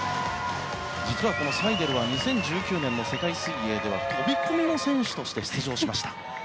実はこのサイデルは２０１９年の世界水泳では飛込の選手として出場しました。